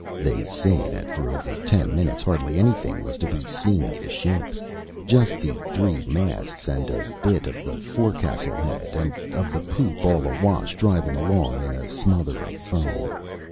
They say that for over ten minutes hardly anything was to be seen of the ship just the three masts and a bit of the forecastle head and of the poop all awash driving along in a smother of foam.